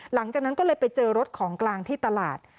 หลังจากนั้นก็เลยไปเจอรถของกลางที่ตลาด